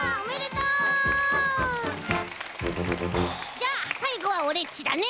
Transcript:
じゃあさいごはオレっちだね。